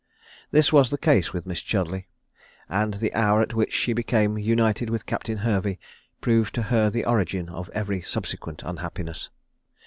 This was the case with Miss Chudleigh; and the hour at which she became united with Captain Hervey proved to her the origin of every subsequent unhappiness.